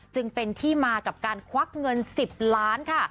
จึงเป็นที่มากับการควักเงิน๑๐ล้านค่ะ